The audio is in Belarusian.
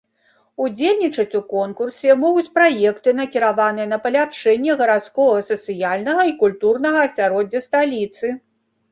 Удзельнічаць у конкурсе могуць праекты, накіраваныя на паляпшэнне гарадскога сацыяльнага і культурнага асяроддзя сталіцы.